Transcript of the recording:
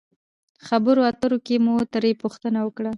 خبرو اترو کښې مو ترې پوښتنه وکړه